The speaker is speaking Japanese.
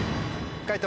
解答